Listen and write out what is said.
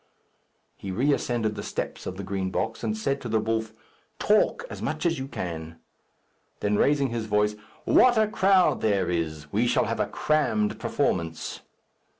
He re ascended the steps of the Green Box, and said to the wolf, "Talk as much as you can." Then, raising his voice, "What a crowd there is! We shall have a crammed performance."